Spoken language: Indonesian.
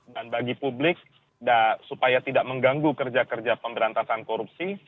dan bagi publik supaya tidak mengganggu kerja kerja pemberantasan korupsi